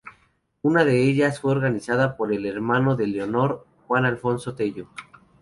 Una de ellas fue organizada por el hermano de Leonor, Juan Alfonso Tello.